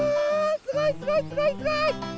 すごいすごいすごいすごい！